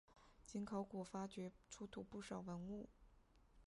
经考古发掘出土不少文物。